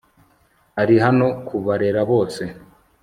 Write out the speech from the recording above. ari hano kubarera bose